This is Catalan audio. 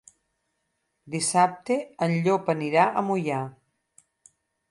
Dissabte en Llop anirà a Moià.